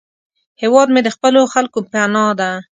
هیواد مې د خپلو خلکو پناه ده